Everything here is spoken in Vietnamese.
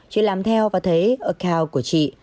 chị làm theo và thấy account của chị